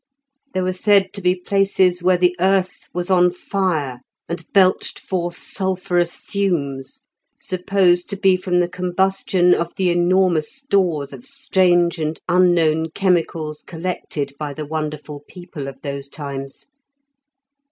There were said to be places where the earth was on fire and belched forth sulphurous fumes, supposed to be from the combustion of the enormous stores of strange and unknown chemicals collected by the wonderful people of those times.